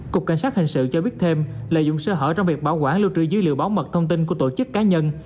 cục cảnh sát hình sự cho biết thêm lợi dụng sơ hở trong việc bảo quản lưu trữ dữ liệu bảo mật thông tin của tổ chức cá nhân